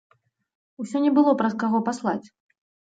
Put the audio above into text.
Усё не было праз каго паслаць.